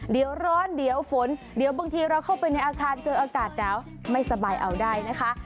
เดี๋ยวร้อนเดี๋ยวฝนเดี๋ยวบางทีเราเข้าไปในอาคารเจออากาศหนาวไม่สบายเอาได้นะคะ